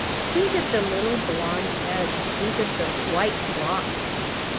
Think of the little blond heads; think of the white locks.